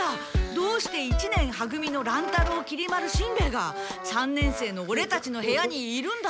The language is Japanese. どうして一年は組の乱太郎きり丸しんべヱが三年生のオレたちの部屋にいるんだ？